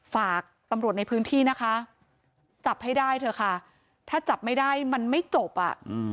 ฝากตำรวจในพื้นที่นะคะจับให้ได้เถอะค่ะถ้าจับไม่ได้มันไม่จบอ่ะ